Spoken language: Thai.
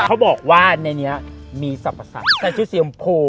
เขาบอกว่าในนี้มีสรรพสรรค์ไซชุเซียมพู